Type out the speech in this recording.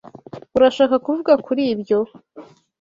Urashaka kuvuga kuri ibyo?